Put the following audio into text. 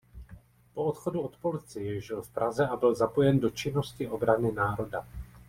Po odchodu od policie žil v Praze a byl zapojen do činnosti Obrany národa.